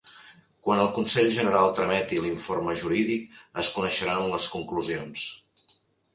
Quan el Consell General trameti l'informe jurídic, es coneixeran les conclusions.